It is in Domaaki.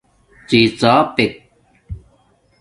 ڎی ڎاپک